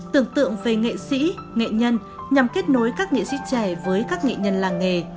tưởng tượng về nghệ sĩ nghệ nhân nhằm kết nối các nghệ sĩ trẻ với các nghệ nhân làng nghề